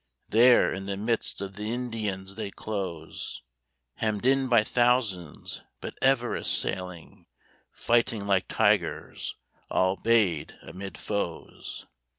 There in the midst of the Indians they close, Hemmed in by thousands, but ever assailing, Fighting like tigers, all 'bayed amid foes!